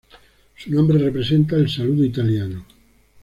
Su nombre representa el saludo italiano.